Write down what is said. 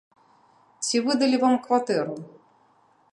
Ці выдалі вам кватэру?